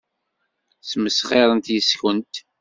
Ssmesxirent yes-kent.